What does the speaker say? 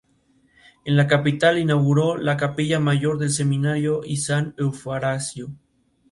En la capital, inauguró la capilla mayor del Seminario y San Eufrasio.